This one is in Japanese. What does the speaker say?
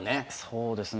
そうですね。